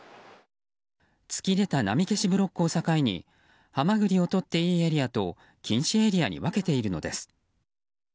突き出た波消しブロックを境にハマグリをとっていいエリアと禁止エリアに分けているのです。